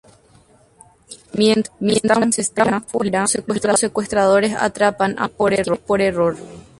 Mientras están fuera, los secuestradores atrapan a "Jorge" por error.